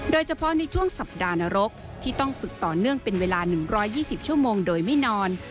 โดยเฉพาะในช่วงสัปดาห์นรกที่ต้องฝึกต่อเนื่องเป็นเวลา๑๒๐ชั่วโมงโดยไม่นอน